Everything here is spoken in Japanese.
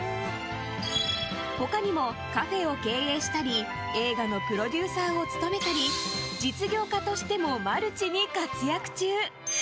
他にもカフェを経営したり映画のプロデューサーを務めたり実業家としてもマルチに活躍中。